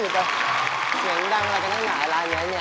เสียงดังอะไรก็นั่งหนาร้านนี้เนี่ย